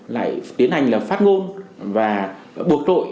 lại tiến hành là phát ngôn và buộc tội